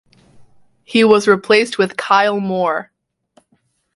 He was replaced with Kyle Moore.